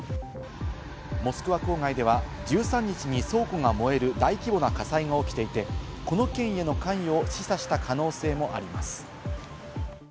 モスクワ郊外では１３日に倉庫が燃える大規模な火災が起きていて、この件への関与を示唆した可能性もあります。